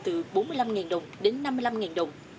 từ bốn mươi năm đồng đến năm mươi năm đồng